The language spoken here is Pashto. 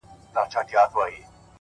هوډ د وېرې پر وړاندې درېدنه ده!